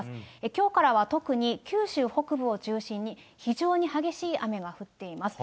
きょうからは特に九州北部を中心に、非常に激しい雨が降っています。